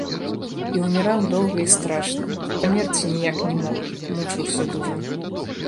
І ўміраў доўга і страшна, памерці ніяк не мог, мучыўся дужа.